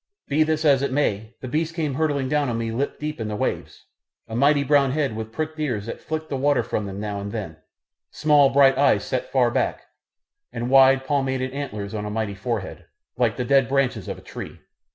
Be this as it may, the beast came hurtling down on me lip deep in the waves, a mighty brown head with pricked ears that flicked the water from them now and then, small bright eyes set far back, and wide palmated antlers on a mighty forehead, like the dead branches of a tree.